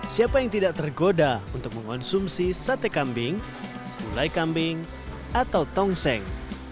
siapa yang tidak tergoda untuk mengonsumsi sate kambing gulai kambing atau tongseng